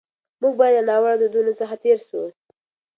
موږ باید له ناوړه دودونو څخه تېر سو.